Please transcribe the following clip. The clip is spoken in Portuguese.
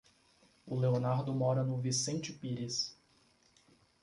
O Leonardo mora no Vicente Pires.